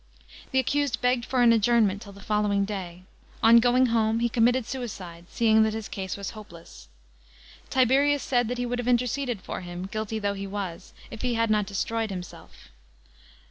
The acjused bagged for an adjournment till the following day. On going hrme, he committed suicide, seeing that his case was hopeless. Tiberius said that he would have interceded for him, guilty though he was, if he had not destroyed himself.